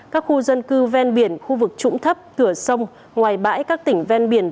các khu dân cư ve biển khu vực trũng thấp cửa sông ngoài bãi các tỉnh ve biển